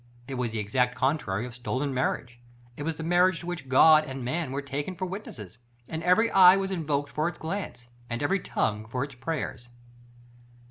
It was the exact contrary of stolen marriage. It was marriage to which God and man were taken for witnesses, and every eye was invoked for its glance, and every tongue for its prayers.